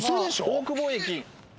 大久保駅。